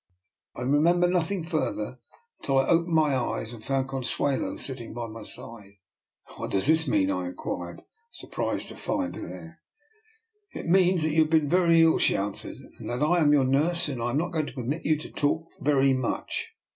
I remember nothing further until I opened my eyes and found Consuelo sitting by my side. " What does this mean? " I inquired, sur prised to find her there. " It means that you have been very ill," she answered, " and that I am your nurse, and am not going to permit you to talk very much."